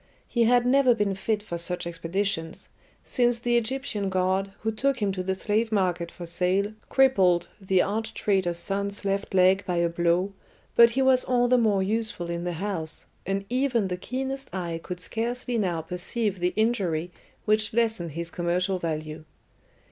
He had never been fit for such expeditions, since the Egyptian guard who took him to the slave market for sale crippled the arch traitor's son's left leg by a blow, but he was all the more useful in the house, and even the keenest eye could scarcely now perceive the injury which lessened his commercial value.